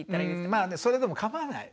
まあそれでも構わない。